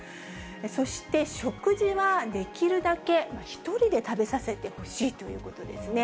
そして食事はできるだけ１人で食べさせてほしいということですね。